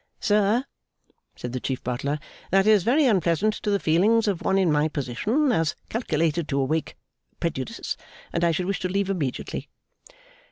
'Sir,' said the Chief Butler, 'that is very unpleasant to the feelings of one in my position, as calculated to awaken prejudice; and I should wish to leave immediately.